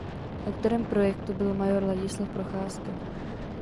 Autorem projektu byl major Ladislav Procházka.